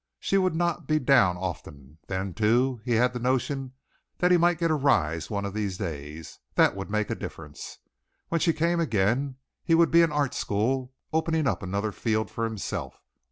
She would not be down often. Then, too, he had the notion that he might get a rise one of these days that would make a difference. When she came again he would be in art school, opening up another field for himself.